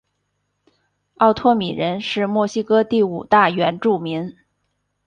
奥托米人是墨西哥第五大原住民。